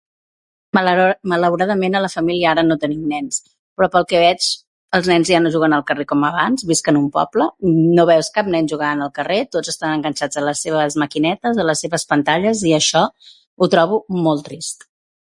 Malauradament, a la família ara no tenim nens. Però pel que veig els nens ja no juguen al carrer com abans. Visc en un poble i no veig cap nen jugant al carrer. Tots estan enganxats a les seves maquinetes, a les seues pantalles i això ho trobo molt trist.